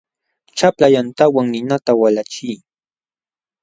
Chapla yantawan ninata walachiy.